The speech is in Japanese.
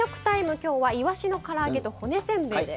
今日はいわしのから揚げと骨せんべいです。